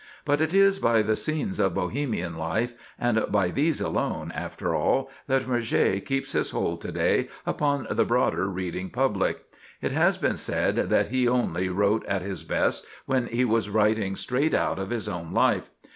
But it is by the "Scenes of Bohemian Life," and by these alone, after all, that Murger keeps his hold to day upon the broader reading public. It has been said that he only wrote at his best when he was writing straight out of his own life.